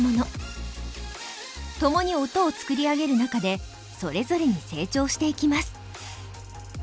共に音を作り上げる中でそれぞれに成長していきます。